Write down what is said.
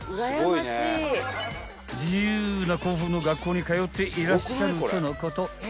［自由な校風の学校に通っていらっしゃるとのこと］